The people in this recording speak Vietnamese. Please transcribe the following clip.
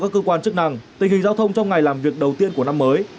với cơ quan chức năng tình hình giao thông trong ngày làm việc đầu tiên của năm mới